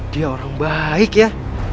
dia orang baik ya